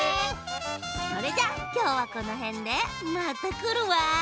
それじゃきょうはこのへんでまたくるわ！